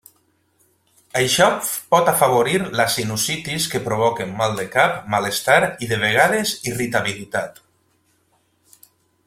Això pot afavorir la sinusitis que provoquen mal de cap, malestar i de vegades irritabilitat.